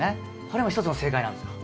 これも一つの正解なんですよ。